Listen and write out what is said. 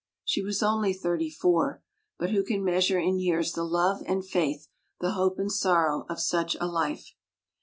She was only thirty four ; but who can measure in years the love and faith, the hope and sorrow, of such a life?